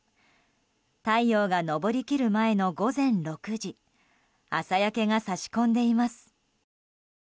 太陽が昇りきる前の午前６時朝焼けが差し込んでいます。